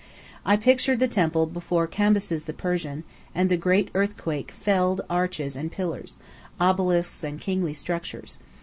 I pictured the temple before Cambyses the Persian, and the great earthquake felled arches and pillars, obelisks and kingly statues.